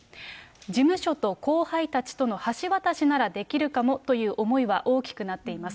事務所と後輩たちとの橋渡しならできるかもとの思いは大きくなっています。